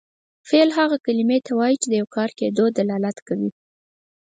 فعل هغې کلمې ته وایي چې د یو کار کیدو دلالت کوي.